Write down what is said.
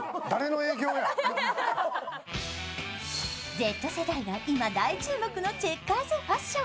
Ｚ世代が今大注目のチェッカーズファッション。